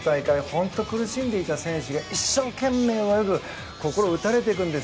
本当に苦しんでいた選手が一生懸命泳ぐ心打たれるんです。